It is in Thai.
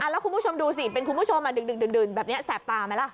แล้วคุณผู้ชมดูสิเป็นคุณผู้ชมดึกดื่นแบบนี้แสบตาไหมล่ะ